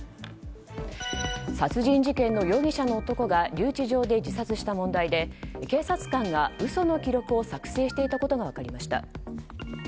殺人事件の容疑者の男が留置場で自殺した問題で警察官が嘘の記録を作成していたことが分かります。